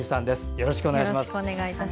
よろしくお願いします。